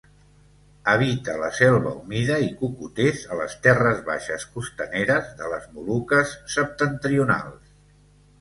Habita la selva humida i cocoters a les terres baixes costaneres de les Moluques septentrionals.